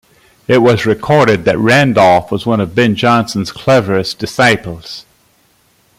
It was recorded that Randolph was one of Ben Jonson's cleverest disciples.